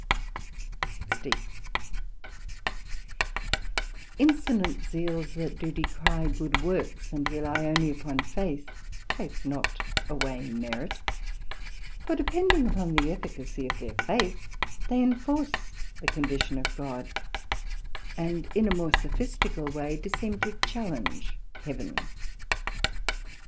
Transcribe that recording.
SECT.60 Insolent zeals that do decry good Works, and rely onely upon Faith, take not away merit: for depending upon the efficacy of their Faith, they enforce the condition of God, and in a more sophistical way do seem to challenge Heaven.